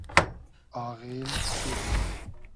آغیل کیل